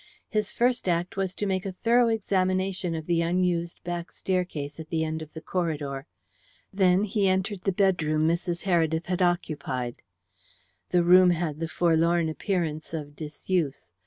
His first act was to make a thorough examination of the unused back staircase at the end of the corridor. Then he entered the bedroom Mrs. Heredith had occupied. The room had the forlorn appearance of disuse.